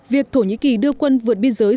việc thổ nhĩ kỳ đưa quân vượt biên giới